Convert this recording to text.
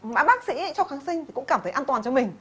mã bác sĩ cho kháng sinh thì cũng cảm thấy an toàn cho mình